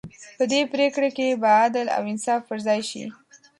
په دې پرېکړې کې به عدل او انصاف پر ځای شي.